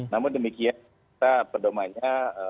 namun demikian kita perdomanya